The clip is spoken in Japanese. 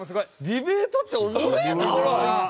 ディベートっておもれえな！